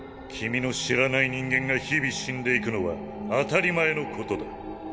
君の知らない人間が日々死んでいくのは当たり前のことだ。